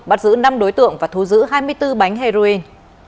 bắt giữ năm đối tượng và thu giữ hai mươi bốn bánh heroin